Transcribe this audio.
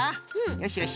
よしよし。